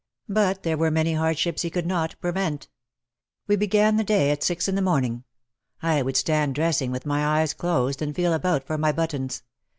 But there were many hardships he could not prevent. We began the day at six in the morning. I would stand dressing with my eyes closed and feel about for my buttons.